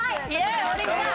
王林ちゃん！